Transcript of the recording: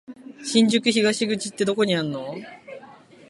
新宿東口ってどこにあんの？